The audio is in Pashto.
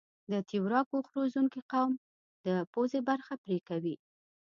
د تویراګ اوښ روزنکي قوم د پوزه برخه پرې کوي.